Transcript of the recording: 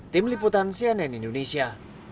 tim liputan cnn indonesia